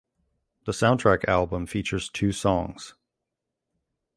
The soundtrack album features two songs.